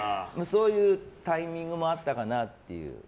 そういうタイミングもあったかなっていう。